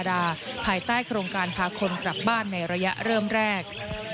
ถ้าขญนภาคนไปกลับบ้านในระยะเริ่มแรก